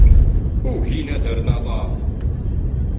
Ugin ad rren aḍar.